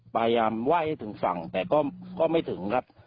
พยายามไหว้ให้ถึงฝั่งแต่ก็ไม่ถึงครับ